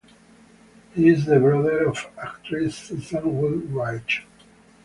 He is the brother of actress Susan Wooldridge.